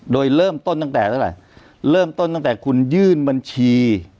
โดยเริ่มต้นตั้งแต่คุณยื่นบัญชี